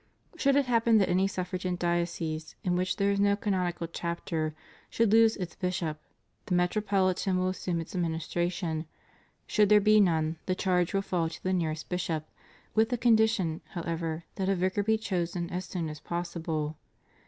Should it happen that any suffragan diocese, in which there is no canonical chapter, should lose its bishop, the Metropohtan will assume its administration; should there be none, the charge will fall to the nearest bishop, with the condition, however, that a vicar be chosen as soon as possible.